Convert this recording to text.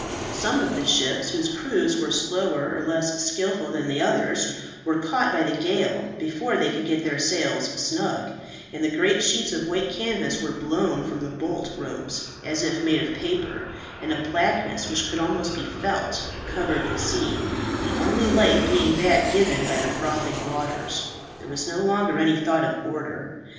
Some of the ships whose crews were slower or less skilful than the others, were caught by the gale before they could get their sails snug, and the great sheets of white canvas were blown from the bolt ropes as if made of paper, and a blackness which could almost be felt, covered the sea, the only light being that given by the frothing waters. There was no longer any thought of order.